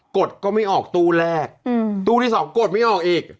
ดก็ไม่ออกตู้แรกตู้ที่สองกดไม่ออกอีก